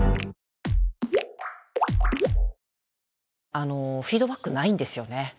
フィードバックないんですよね。